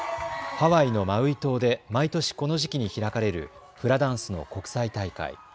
ハワイのマウイ島で毎年この時期に開かれるフラダンスの国際大会。